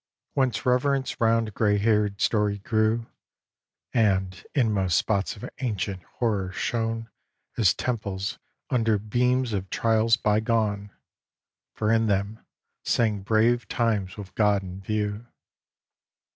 XII Whence reverence round grey haired story grew: And inmost spots of ancient horror shone As temples under beams of trials bygone; For in them sang brave times with God in view.